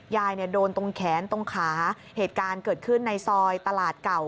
ยายเนี่ยโดนตรงแขนตรงขาเหตุการณ์เกิดขึ้นในซอยตลาดเก่า